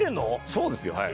「そうですよはい」